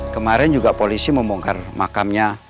kemarin juga polisi membongkar makamnya